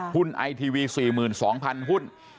หุ้นไอทีวี๔๒พันหุ้น